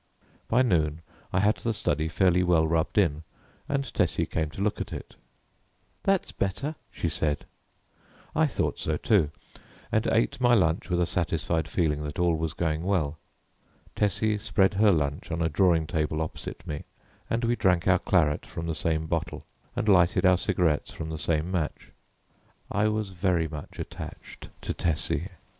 By noon I had the study fairly well rubbed in and Tessie came to look at it. "That's better," she said. I thought so too, and ate my lunch with a satisfied feeling that all was going well. Tessie spread her lunch on a drawing table opposite me and we drank our claret from the same bottle and lighted our cigarettes from the same match. I was very much attached to Tessie.